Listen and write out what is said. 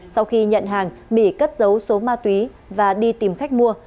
sau khi nhận hàng mỹ cất dấu số ma túy và đi tìm khách mua